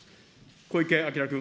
小池晃君。